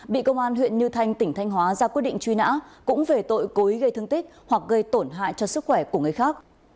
bị công an huyện như thanh tỉnh thanh hóa ra quyết định truy nã cũng về tội cố ý gây thương tích hoặc gây tổn hại cho sức khỏe của người khác